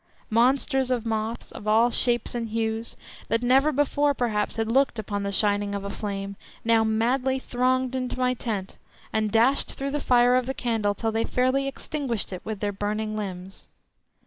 Monsters of moths, of all shapes and hues, that never before perhaps had looked upon the shining of a flame, now madly thronged into my tent, and dashed through the fire of the candle till they fairly extinguished it with their burning limbs.